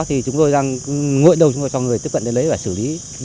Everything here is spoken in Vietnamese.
thì chúng tôi đang nguội đầu chúng tôi cho người tiếp cận để lấy và xử lý